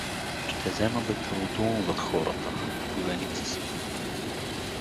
Ще земат да те одумват хората, годеница си.